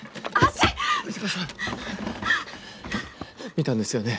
見たんですよね？